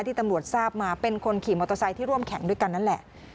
ตำรวจทราบมาเป็นคนขี่มอเตอร์ไซค์ที่ร่วมแข่งด้วยกันนั่นแหละ